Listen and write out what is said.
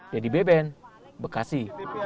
dedy beben bekasi